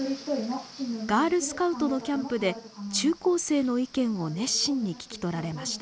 ガールスカウトのキャンプで中高生の意見を熱心に聞きとられました。